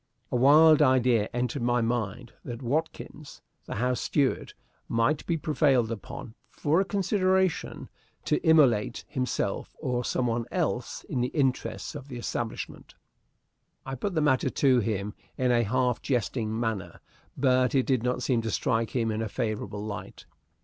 A wild idea entered my mind that Watkins, the house steward, might be prevailed upon for a consideration to immolate himself or some one else in the interests of the establishment. I put the matter to him in a half jesting manner; but it did not seem to strike him in a favorable light.